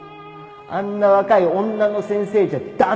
あんな若い女の先生じゃ駄目だって。